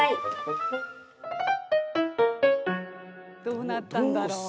どうなったんだろう。